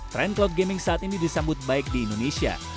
trend cloud gaming saat ini disambut baik di indonesia